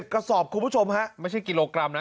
กระสอบคุณผู้ชมฮะไม่ใช่กิโลกรัมนะ